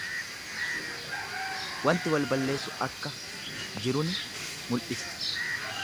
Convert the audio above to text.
Wanti wal balleessu akka jiruni mul'isa.